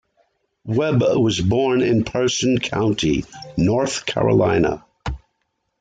Webb was born in Person County, North Carolina.